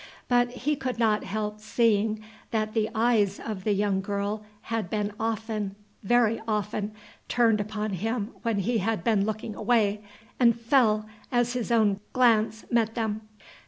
But he could not help seeing that the eyes of the young girl had been often, very often, turned upon him when he had been looking away, and fell as his own glance met them.